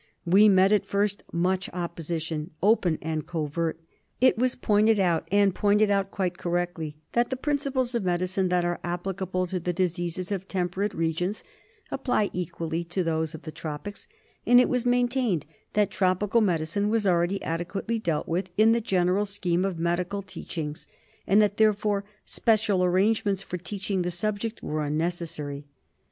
We met at first much oppositiogi — open and covert. It was pointed out, and pointed out quite cprrectly, that the principles of medicine that are applicable to the diseases of temperate regions apply equally to those of the tropics, and it was maintained that tropical medicine was already adequately dealt with in the general scheme of medical teachings, and that, therefore, special arrange ments for teaching the subject were unnecessary.